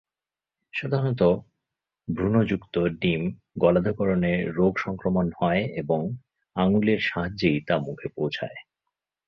সাধারণত ভ্রূণযুক্ত ডিম গলাধঃকরণে রোগসংক্রমণ হয় এবং আঙুলের সাহায্যেই তা মুখে পৌঁছায়।